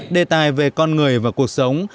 đề tài về con người và cuộc sống